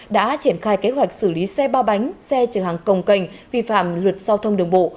đã triển khai kế hoạch xử lý xe ba bánh xe chở hàng công cành vi phạm luật giao thông đường bộ